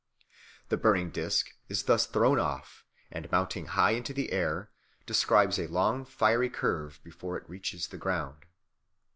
The burning disc is thus thrown off, and mounting high into the air, describes a long fiery curve before it reaches the ground.